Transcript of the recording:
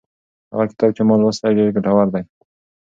هغه کتاب چې ما لوستلی ډېر ګټور و.